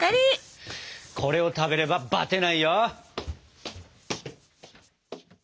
これを食べればバテないよ！